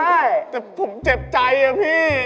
ใช่แต่ผมเจ็บใจอะพี่